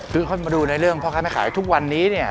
คือเขามาดูในเรื่องพ่อค้าแม่ขายทุกวันนี้เนี่ย